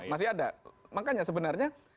masih ada makanya sebenarnya